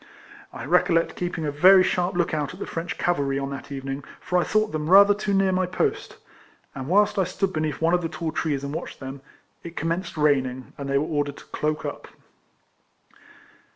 I recollect keeping a very sharp look out at the French cavalry on that evening, for I thought them rather too near my post ; and whilst I stood beneath one of the tall trees and watched them, it com menced raining, and they were ordered to cloak up.